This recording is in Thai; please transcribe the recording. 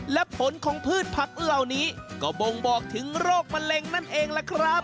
และผลของพืชผักเหล่านี้ก็บ่งบอกถึงโรคมะเร็งนั่นเองล่ะครับ